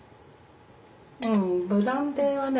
ブランデーはね